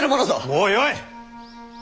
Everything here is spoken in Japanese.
もうよい！